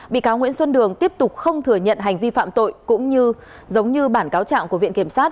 bị cáo nguyễn xuân đường tiếp tục không thừa nhận hành vi phạm tội cũng như giống như bản cáo trạng của viện kiểm sát